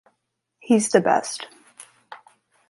He’s the best.